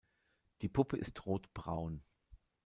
Die Puppe ist rotbraun.